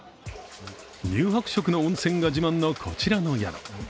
乳白色の温泉が自慢のこちらの宿。